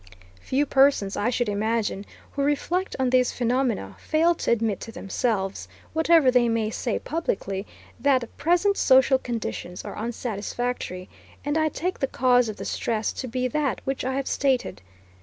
Few persons, I should imagine, who reflect on these phenomena, fail to admit to themselves, whatever they may say publicly, that present social conditions are unsatisfactory, and I take the cause of the stress to be that which I have stated.